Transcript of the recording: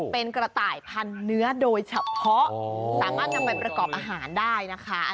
เป็นกระต่ายพันเนื้อโดยเฉพาะสามารถนำไปประกอบอาหารได้นะคะ